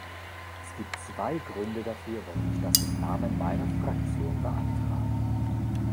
Es gibt zwei Gründe dafür, warum ich das im Namen meiner Fraktion beantrage.